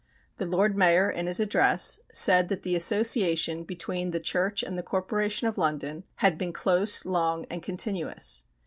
The Lord Mayor, in his address, said that the association between the Church and the Corporation of London had been close, long, and continuous.